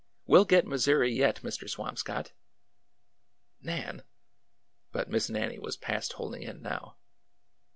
We 'll get Missouri yet, Mr. Swamscott !"'' Nan !" But Miss Nannie was past holding in now.